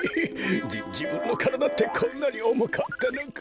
じじぶんのからだってこんなにおもかったのか。